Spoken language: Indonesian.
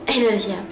eh dari siapa